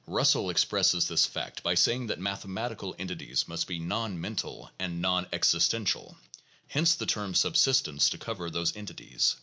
Eussell expresses this fact by saying that mathematical entities must be non mental and non existential. Hence the term subsistence to cover those entities.